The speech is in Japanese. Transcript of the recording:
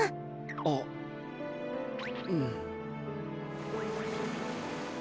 あっうん。